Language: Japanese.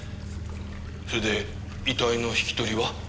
それで遺体の引き取りは？